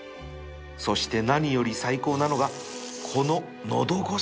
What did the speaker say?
そして何より最高なのがこの喉越し